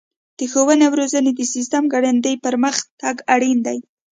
د ښوونې او روزنې د سیسټم ګړندی پرمختګ اړین دی.